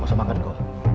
gak usah makan go